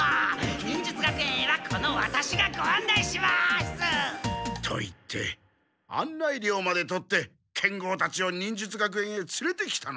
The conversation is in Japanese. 忍術学園へはこのワタシがご案内します！と言って案内料まで取って剣豪たちを忍術学園へつれてきたのだ。